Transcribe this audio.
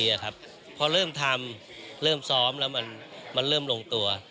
ทำครับพอเริ่มทำเริ่มซ้อมแล้วมันมันเริ่มลงตัว